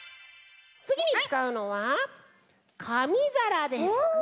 つぎにつかうのはかみざらです。